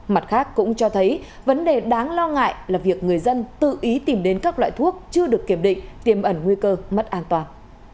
mặt khác cũng cho thấy vấn đề đáng lo ngại là việc người dân tự ý tìm đến các loại thuốc chưa được kiểm định tiềm ẩn nguy cơ mất an toàn